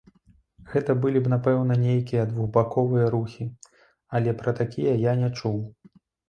Гэта былі б, напэўна, нейкія двухбаковыя рухі, але пра такія я не чуў.